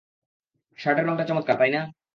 শার্টের রঙটা চমৎকার, তাই না?